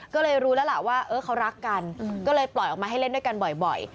ก็เลยรู้แล้วล่ะว่าเขารักกันก็เลยปล่อยออกมาให้เล่นด้วยกันบ่อย